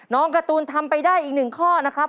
การ์ตูนทำไปได้อีกหนึ่งข้อนะครับ